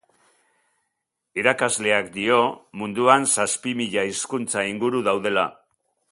Irakasleak dio munduan zazpi mila hizkuntza inguru daudela.